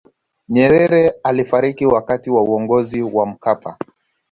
nyerere alifariki wakati wa uongozi wa mkapa